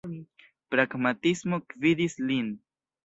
Pragmatismo gvidis lin.